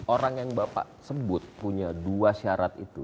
orang yang bapak sebut punya dua syarat itu